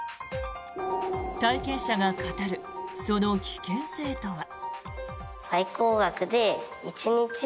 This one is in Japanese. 体験者が語るその危険性とは。